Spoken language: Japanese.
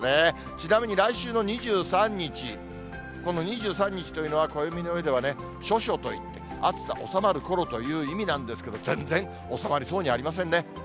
ちなみに来週の２３日、この２３日というのは、暦のうえではね、処暑といって、暑さ収まるころという意味なんですが、全然収まりそうにありませんね。